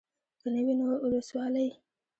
که نه وي نو اولسوالي.